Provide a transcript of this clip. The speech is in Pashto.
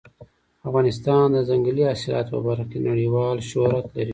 افغانستان د ځنګلي حاصلاتو په برخه کې نړیوال شهرت لري.